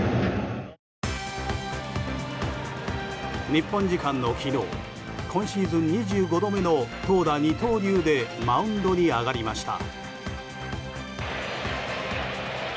日本時間の昨日今シーズン２５度目の投打二刀流でマウンドに上がりました。